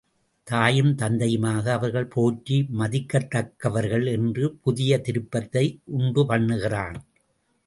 தாயும் தந்தையுமாக அவர்கள் போற்றி மதிக்கத்தக்கவர்கள் என்று புதிய திருப்பத்தை உண்டு பண்ணுகிறான்.